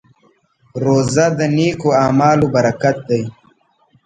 روژه د نېکو اعمالو برکت دی.